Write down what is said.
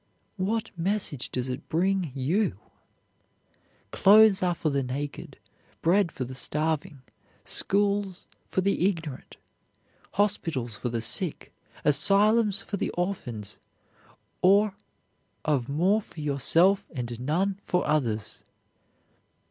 What message does it bring you? Clothes for the naked, bread for the starving, schools for the ignorant, hospitals for the sick, asylums for the orphans, or of more for yourself and none for others?